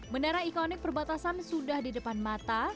menara ikonik perbatasan sudah di depan mata